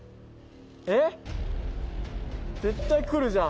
えっ？